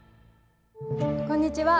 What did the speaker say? こんにちは。